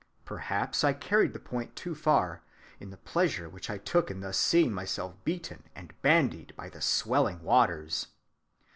Perhaps I carried the point too far, in the pleasure which I took in thus seeing myself beaten and bandied by the swelling waters.